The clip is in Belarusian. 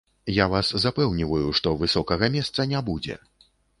Я вас запэўніваю, што высокага месца не будзе.